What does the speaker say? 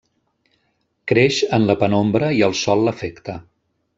Creix en la penombra i el sol l'afecta.